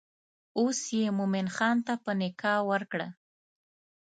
اوس یې مومن خان ته په نکاح ورکړه.